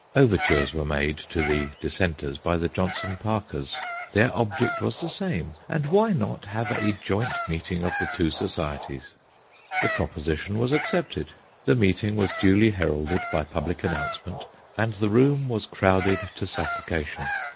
Overtures were made to the Dis senters by the Johnson Parkers. Their object was the same, and why not have a joint meeting of the two societies ? The proposition was accepted. The meeting was duly heralded by public announcement, and the room was crowded to suffocation.